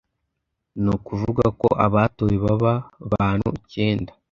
nukuvugako abatowe baba ba bantu icyenda